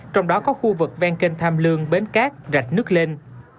trong đó có khu vực ven kênh tham lương bến cát rạch nước lên